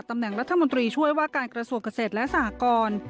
ตำแหน่งรัฐมนตรีช่วยว่าการกระทรวงเกษตรและสหกร